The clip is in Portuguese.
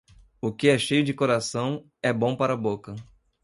O que é cheio de coração, é bom para a boca.